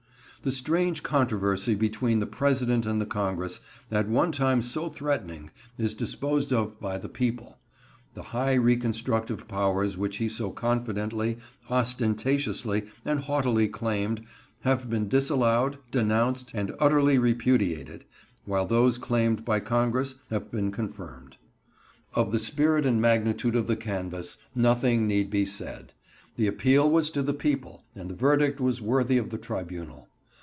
The strange controversy between the President and the Congress, at one time so threatening, is disposed of by the people. The high reconstructive powers which he so confidently, ostentatiously, and haughtily claimed, have been disallowed, denounced, and utterly repudiated; while those claimed by Congress have been confirmed. Of the spirit and magnitude of the canvass nothing need be said. The appeal was to the people, and the verdict was worthy of the tribunal.